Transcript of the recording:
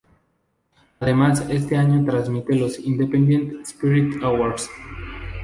Además ese año transmite los Independent Spirit Awards.